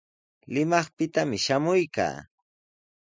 Limaqpitami shamuykaa.